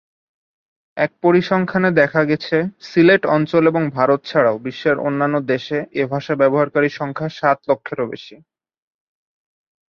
এক পরিসংখ্যানে দেখা গেছে, সিলেট অঞ্চল এবং ভারত ছাড়াও বিশ্বের অন্যান্য দেশে এ ভাষা ব্যবহারকারীর সংখ্যা সাত লক্ষেরও বেশি।